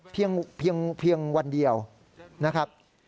เพียงวันเดียวนะครับ